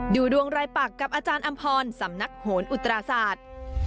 ดูดวงรายปักกับอาจารย์อำพรสำนักโหนอุตราศาสตร์